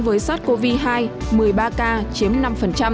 với sars cov hai một mươi ba ca chiếm năm